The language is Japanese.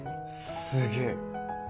すげえ。